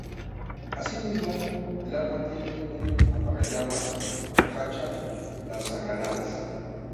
Asimismo, el arma tiene un apagallamas-bocacha lanzagranadas.